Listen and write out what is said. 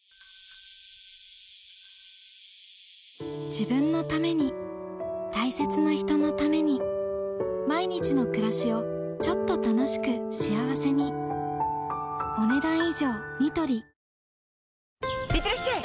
自分のために大切な人のために毎日の暮らしをちょっと楽しく幸せにいってらっしゃい！